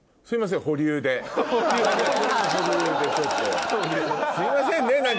すいませんね